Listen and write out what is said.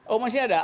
oh masih ada